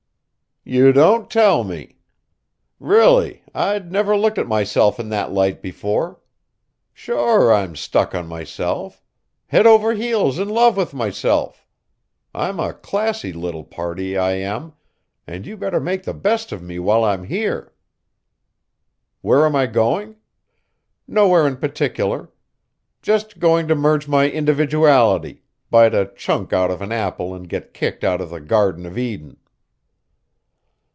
You don't tell me. Really, I'd never looked at myself in that light before. Sure, I'm stuck on myself. Head over heels in love with myself. I'm a classy little party, I am, and you better make the best of me while I'm here. Where am I going? Nowhere in particular. Just going to merge my individuality, bite a chunk out of an apple and get kicked out of the Garden of Eden.